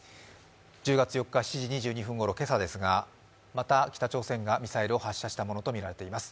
１０月４日、７時２２分ごろ、今朝ですがまた北朝鮮がミサイルを発射したものとみられています。